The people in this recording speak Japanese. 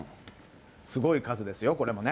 すごい数ですよ、これもね。